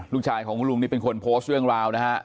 ลูกชายของคุณลุงนี่เป็นคนโพสต์เรื่องราวนะฮะ